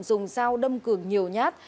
dùng dao đâm cường nhiều nhát